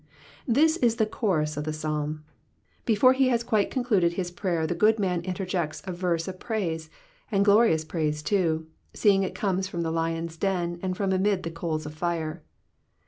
''^ This is the chorus of the Psalm. Before he has quite concluded his prayer the good man interjects a verse of praise ; and glorious praise too, seeing it comes up from the lion's den and from amid the coals of fire.